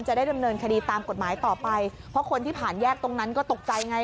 จะได้ดำเนินคดีตามกฎหมายต่อไปเพราะคนที่ผ่านแยกตรงนั้นก็ตกใจไง